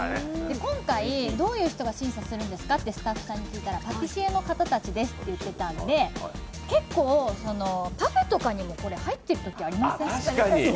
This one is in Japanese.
今回、どういう人が審査するんですかってスタッフさんに聞いたらパティシエの方たちですって言ってたので、結構、パフェとかにもこれ、入っているときありません？